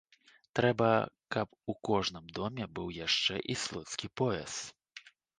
Трэба, каб у кожным доме быў яшчэ і слуцкі пояс.